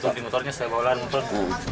itu di motornya saya bawa ke motor